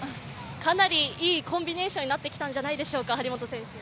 かなりいいコンビネーションになってきたんじゃないでしょうか。